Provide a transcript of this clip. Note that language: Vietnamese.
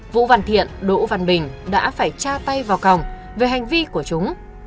vũ văn thiện đỗ văn bình đã phải tra tay vào còng về hành vi của chúng